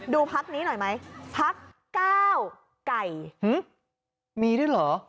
พักนี้หน่อยไหมพักก้าวไก่มีด้วยเหรอ